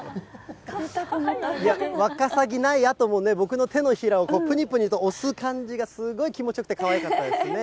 ワカサギないあともね、僕の手のひらをぷにぷにと押す感じが、すごい気持ちよくて、かわいかったですね。